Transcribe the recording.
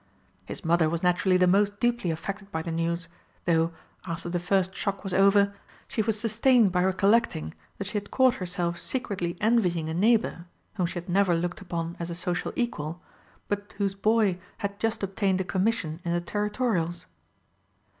His mother was naturally the most deeply affected by the news, though, after the first shock was over, she was sustained by recollecting that she had caught herself secretly envying a neighbour, whom she had never looked upon as a social equal, but whose boy had just obtained a commission in the Territorials.